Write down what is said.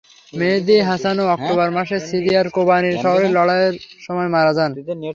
মেহেদি হাসানও অক্টোবর মাসে সিরিয়ার কোবানি শহরে লড়াইয়ের সময় মারা যান।